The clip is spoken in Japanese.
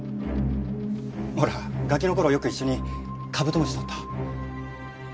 ほらガキの頃よく一緒にカブトムシ捕った。